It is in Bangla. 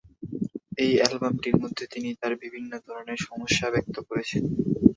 এই অ্যালবামটির মাধ্যমে তিনি তার বিভিন্ন ধরনের সমস্যা ব্যক্ত করেছেন।